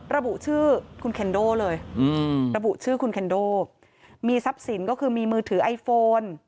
ระบุชื่อคุณเคนโดเลยระบุชื่อคุณเคนโดมีทรัพย์สินก็คือมีมือถือไอโฟน